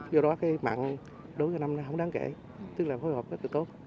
do đó cái mặn đối với năm nay không đáng kể tức là hối hợp rất là tốt